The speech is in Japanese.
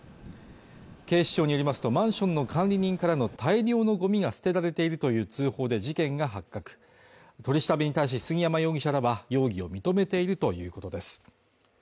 警視庁によりますとマンションの管理人からの大量のごみが捨てられているという通報で事件が発覚取り調べに対し杉山容疑者らは容疑を認めているということです